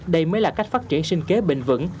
đây mới là cách phát triển sinh kế bền vững